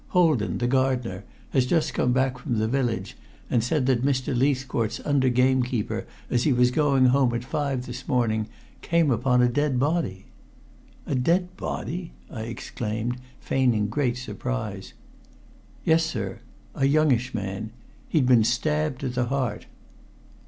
"Holden, the gardener, has just come back from that village and says that Mr. Leithcourt's under gamekeeper as he was going home at five this morning came upon a dead body." "A dead body!" I exclaimed, feigning great surprise. "Yes, sir a youngish man. He'd been stabbed to the heart."